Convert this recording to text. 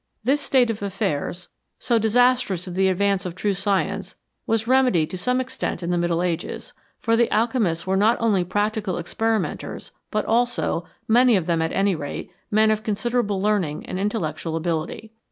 This state of affairs, so dis THE PHILOSOPHER'S STONE astrous to the advance of true science, was remedied to some extent in the Middle Ages, for the alchemists were not only practical experimenters, but also, many of them at any rate, men of considerable learning and intellectual ability.